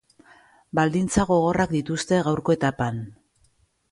Baldintza gogorrak dituzte gaurko etapan.